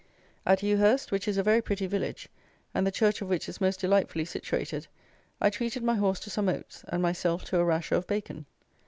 At Ewhurst, which is a very pretty village, and the Church of which is most delightfully situated, I treated my horse to some oats, and myself to a rasher of bacon.